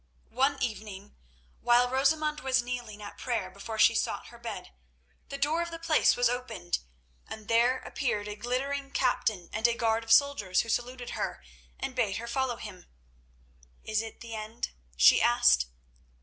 One evening, while Rosamund was kneeling; at prayer before she sought her bed, the door of the place was opened, and there appeared a glittering captain and a guard of soldiers, who saluted her and bade her follow him. "Is it the end?" she asked.